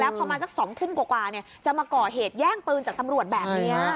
พอมาสัก๒ทุ่มกว่าจะมาก่อเหตุแย่งปืนจากตำรวจแบบนี้